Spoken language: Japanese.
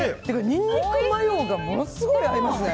ニンニクマヨがものすごい合いますね。